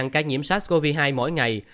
một trăm linh sáu ca nhiễm sars cov hai mỗi ngày